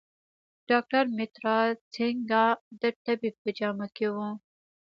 ډاکټر مترا سینګه د طبیب په جامه کې و.